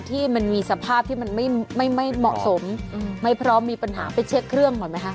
ที่มันมีสภาพที่มันไม่เหมาะสมไม่พร้อมมีปัญหาไปเช็คเครื่องก่อนไหมคะ